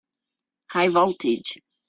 High voltage!